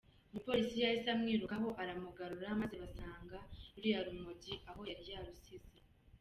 Umupolisi yahise amwirukaho, aramugarura, maze basanga ruriya rumogi aho yari arusize.